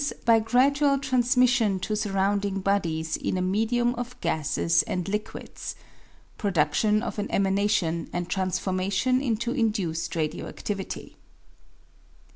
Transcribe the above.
by gradual transmission to surrounding bodies in a medium ot gases and liquids (producflion of an emanation and transformation into induced radio aiStivity).